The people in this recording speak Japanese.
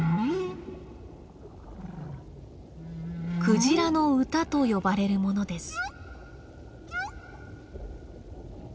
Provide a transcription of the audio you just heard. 「クジラの歌」と呼ばれるものです。